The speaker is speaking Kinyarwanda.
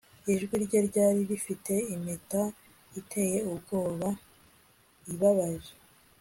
ijwi rye ryari rifite impeta iteye ubwoba, ibabaje